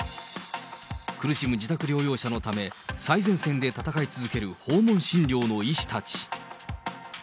苦しむ自宅療養者のため、最前線で戦い続ける訪問診療の医師たち。